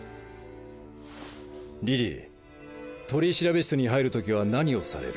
リリー取調室に入る時は何をされる？